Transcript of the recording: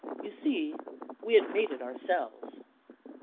You see, we had made it ourselves!